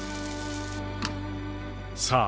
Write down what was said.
さあ